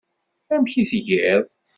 Amek i tgiḍ?